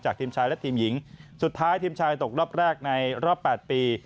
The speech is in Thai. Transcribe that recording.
ทีมชายและทีมหญิงสุดท้ายทีมชายตกรอบแรกในรอบ๘ปี